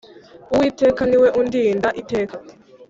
uwiteka niwe undinda iteka